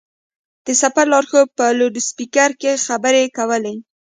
د سفر لارښود په لوډسپېکر کې خبرې کولې.